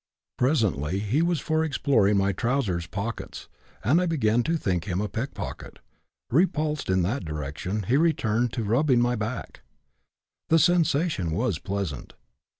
Presently he was for exploring my trousers pockets and I began to think him a pickpocket; repulsed in that direction, he returned, to rubbing my back. The sensation was pleasant.